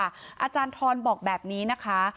อาจารย์ทรบอกแบบนี้นะคะ